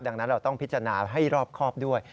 ดังนั้นเราต้องพิจารณาให้รอบครอบด้วย